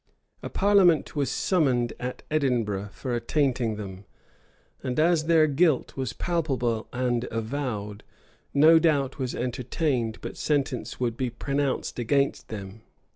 [*] {1565.} A parliament was summoned at Edinburgh for attainting them; and as their guilt was palpable and avowed, no doubt was entertained but sentence would be pronounced against them.